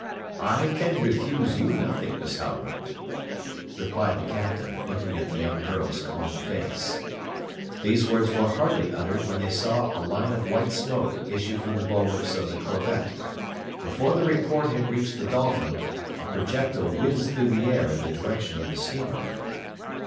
"I can refuse you nothing, Miss Halliburtt," replied the Captain, looking at the young girl's calm face. These words were hardly uttered when they saw a line of white smoke issue from the bulwarks of the corvette; before the report had reached the Dolphin a projectile whizzed through the air in the direction of the steamer.